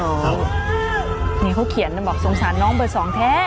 โอ้โฮนี่เขาเขียนแล้วบอกสงสารน้องเบอร์๒แท้